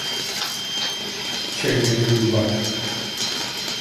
Çevrene bir bak.